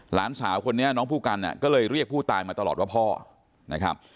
หลานสาวคนนี้น้องผู้กันก็เลยเรียกผู้ตายมาตลอดว่าพ่อนะครับ